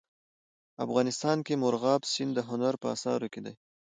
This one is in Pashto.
افغانستان کې مورغاب سیند د هنر په اثار کې دی.